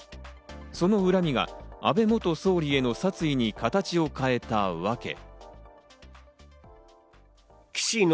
その恨みが安倍元総理への殺意に形を変えたわけ。